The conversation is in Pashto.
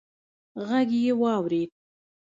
غږ يې واورېد: